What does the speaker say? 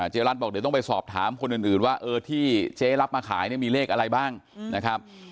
เจ๊รัฐบอกเดี๋ยวต้องไปสอบถามคนอื่นว่าที่เจ๊รับมาขายเนี่ยมีเลขอะไรบ้างนะครับ